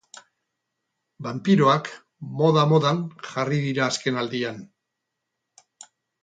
Banpiroak moda-modan jarri dira azkenaldian.